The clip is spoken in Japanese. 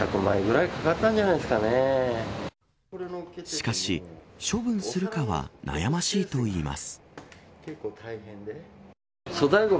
しかし、処分するかは悩ましいといいます。